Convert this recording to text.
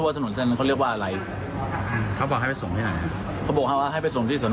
ท่านงานว่าไอ้พี่